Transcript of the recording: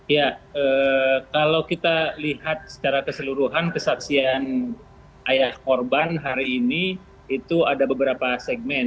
ya kalau kita lihat secara keseluruhan kesaksian ayah korban hari ini itu ada beberapa segmen